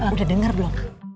udah denger belum